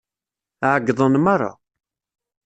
Ԑeyyḍen merra.